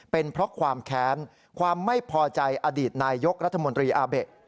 เป็นเพราะความแค้นความไม่พอใจอดีตนายยกรัฐมนตรีอาเบะ